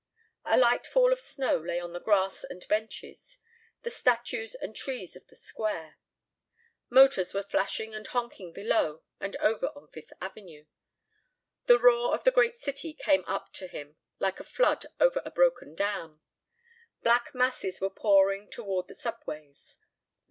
A light fall of snow lay on the grass and benches, the statues and trees of the Square. Motors were flashing and honking below and over on Fifth Avenue. The roar of the great city came up to him like a flood over a broken dam. Black masses were pouring toward the subways.